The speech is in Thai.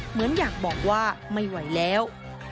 เหมือนอยากบอกว่าไม่ไหวแล้ว